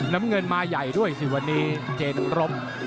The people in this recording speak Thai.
น้ำเงินมาใหญ่ด้วยสิวันนี้เจนรบ